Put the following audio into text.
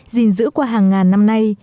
gìn giữ qua hàng ngàn năm nay